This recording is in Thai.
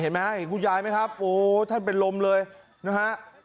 เห็นมั้ยคุณยายมั้ยครับโอ้โฮท่านเป็นลมเลยนะฮะ